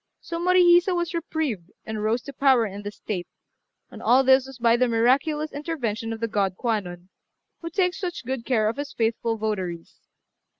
So Morihisa was reprieved, and rose to power in the state; and all this was by the miraculous intervention of the god Kwannon, who takes such good care of his faithful votaries.